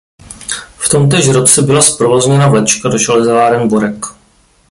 V tomtéž roce byla zprovozněna vlečka do železáren Borek.